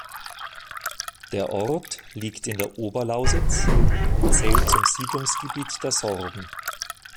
Der Ort liegt in der Oberlausitz und zählt zum Siedlungsgebiet der Sorben.